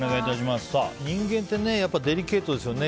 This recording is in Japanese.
人間ってやっぱりデリケートですよね。